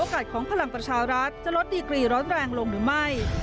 ของพลังประชารัฐจะลดดีกรีร้อนแรงลงหรือไม่